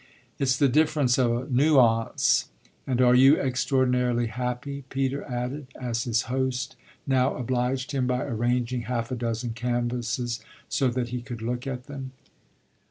"It's the difference of a nuance! And are you extraordinarily happy?" Peter added as his host now obliged him by arranging half a dozen canvases so that he could look at them.